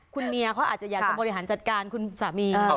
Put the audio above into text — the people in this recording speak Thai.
คุณเมียเขาอาจจะอยากจะบริหารจัดการคุณสามี